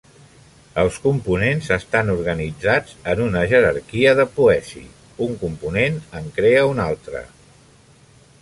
Els components estan organitzats en una jerarquia de poesi: un component en crea un altre.